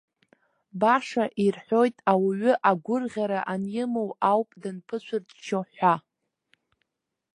Баша ирҳәоит ауаҩы агәырӷьара анимоу ауп данԥышәырччо ҳәа.